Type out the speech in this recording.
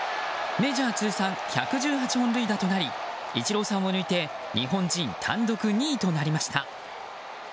メジャー通算１１８本塁打となりイチローさんを抜いて日本人単独２位となりました。